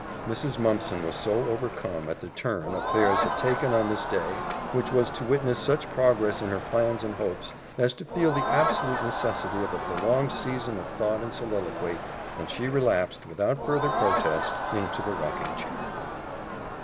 Mrs. Mumpson was so overcome at the turn affairs had taken on this day, which was to witness such progress in her plans and hopes, as to feel the absolute necessity of a prolonged season of thought and soliloquy, and she relapsed, without further protest, into the rocking chair.